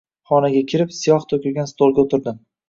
Xonaga kirib, siyoh to’kilgan stolga o’tirdim.